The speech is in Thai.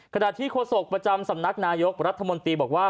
ขณะที่โฆษกประจำสำนักนายกรัฐมนตรีบอกว่า